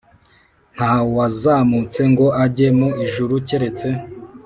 Ntawazamutse ngo ajye mu ijuru keretse